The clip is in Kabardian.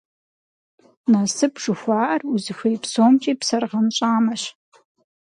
Насып жыхуаӀэр узыхуей псомкӀи псэр гъэнщӀамэщ.